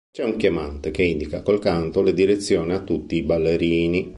C'è un chiamante che indica col canto le direzioni a tutti i ballerini.